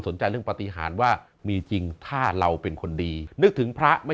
เรื่องปฏิหารว่ามีจริงถ้าเราเป็นคนดีนึกถึงพระไม่